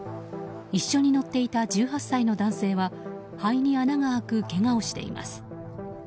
一緒に乗っていた１８歳の男性は肺に穴が開くけがをしています。